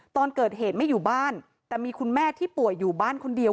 ตอนเกิดเหตุไม่อยู่บ้านแต่มีคุณแม่ที่ป่วยอยู่บ้านคนเดียว